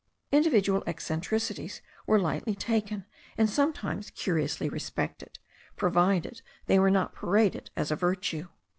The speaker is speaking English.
Individual eccentricities were lightly taken and sometimes curiously respected, provided they were not paraded as a virtue.